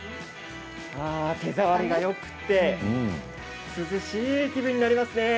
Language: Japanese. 手触りがよくて涼しい気分になりますね。